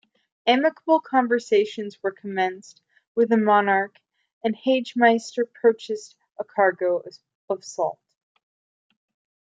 Amicable conversations were commenced with the monarch and Hagemeister purchased a cargo of salt.